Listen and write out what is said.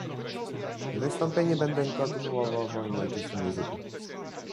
Wystąpienie będę kontynuował w moim ojczystym języku